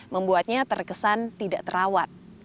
membuatnya terkesan tidak terawat